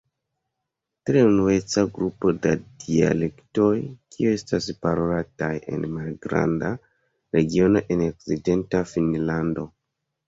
Tre unueca grupo da dialektoj, kiu estas parolataj en malgranda regiono en okcidenta Finnlando.